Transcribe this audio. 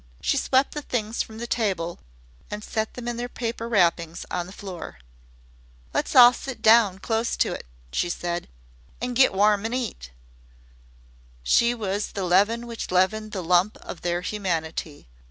She swept the things from the table and set them in their paper wrappings on the floor. "Let's all sit down close to it close," she said, "an' get warm an' eat, an' eat." She was the leaven which leavened the lump of their humanity.